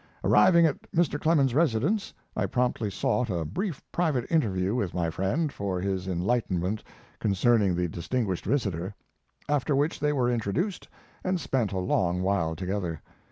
Arriving at Mr. Clemens's residence, I promptly sought a brief private interview with my friend for his enlightenment concerning the distinguished visitor, after which they were introduced and spent a long while together.